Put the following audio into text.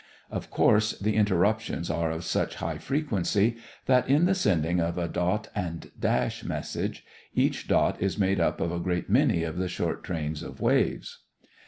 Of course the interruptions are of such high frequency that in the sending of a dot and dash message each dot is made up of a great many of the short trains of waves.